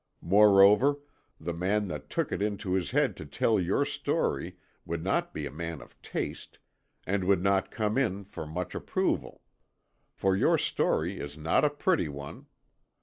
Moreover, the man that took it into his head to tell your story would not be a man of taste, and would not come in for much approval. For your story is not a pretty one.